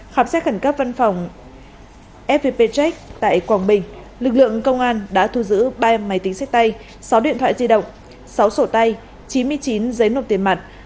khám xét khẩn cấp văn phòng fpp check tại quảng bình lực lượng công an đã thu giữ ba máy tính sách tay sáu điện thoại di động sáu sổ tay chín mươi chín giấy nộp tiền mặt